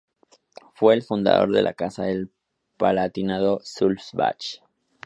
Fue el fundador de la Casa del Palatinado-Sulzbach.